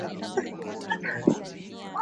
Uturuki ilijiunga na Vita Kuu ya pili kama